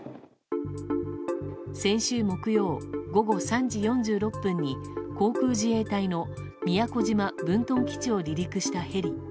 先週木曜、午後３時４６分に航空自衛隊の宮古島分屯基地を離陸したヘリ。